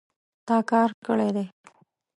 تا کار کړی دی